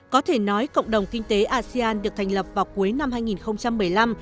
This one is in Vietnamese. có thể nói cộng đồng kinh tế asean được thành lập vào cuối năm hai nghìn một mươi năm